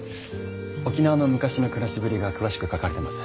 沖縄の昔の暮らしぶりが詳しく書かれてます。